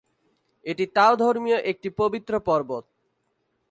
এটি তাওধর্মীয় একটি পবিত্র পর্বত।